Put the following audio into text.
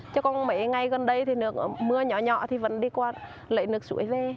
cho con mấy ngày gần đây thì mưa nhỏ nhỏ thì vẫn đi qua lấy nước suối về